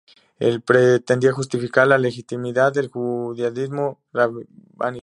Él pretendía justificar la legitimidad del judaísmo rabínico.